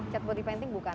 cat body painting bukan